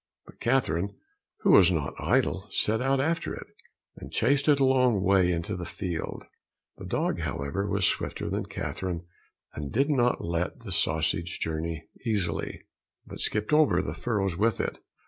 But Catherine, who was not idle, set out after it, and chased it a long way into the field; the dog, however, was swifter than Catherine and did not let the sausage journey easily, but skipped over the furrows with it.